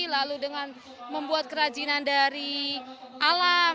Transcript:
lalu dengan membuat kerajinan dari alam